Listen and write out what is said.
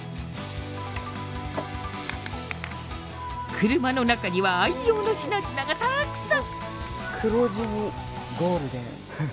車の中には愛用の品々がたくさん！